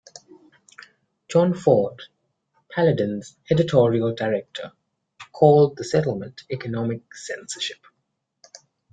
Jon Ford, Paladin's editorial director, called the settlement economic censorship.